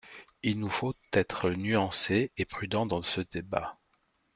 Il nous faut être nuancés et prudents dans ce débat.